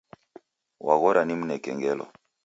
Waghora nimneke ngelo.